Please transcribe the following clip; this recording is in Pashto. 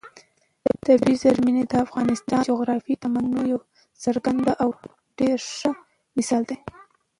طبیعي زیرمې د افغانستان د جغرافیوي تنوع یو څرګند او ډېر ښه مثال دی.